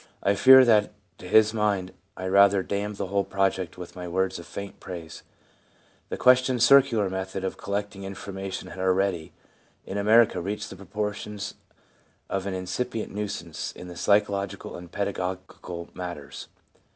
I fear that to his mind I rather damned the whole project with my words of faint praise. The question circular method of collecting information had already, in America, reached the proportions of an incipient nuisance in psychological and pedagogical matters.